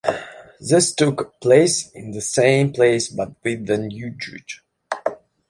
This took place in the same place but with a new judge.